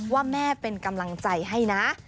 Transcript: ว่าแม่เป็นกำลังใจให้นะ